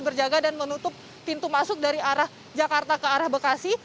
berjaga dan menutup pintu masuk dari arah jakarta ke arah bekasi